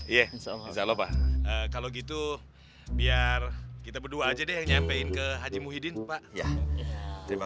iya insyaallah pak kalau gitu biar kita berdua aja deh nyampein ke haji muhyiddin pak ya terima